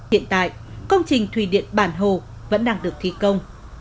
hiện tại công trình thủy điện bản hồ vẫn đang được thi công